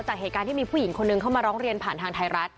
จากเหตุการณ์ที่มีผู้หญิงคนนึงเข้ามาร้องเรียนผ่านทางไทยรัฐ